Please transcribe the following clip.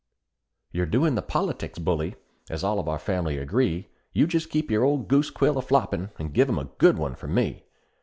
You're doin' the politics bully, as all of our family agree; Just keep your old goose quill a floppin', and give 'em a good one for me.